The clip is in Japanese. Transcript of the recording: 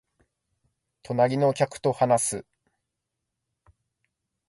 隣の客と話す